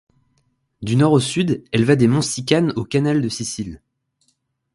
Du nord au sud, elle va des Monts Sicanes au canal de Sicile.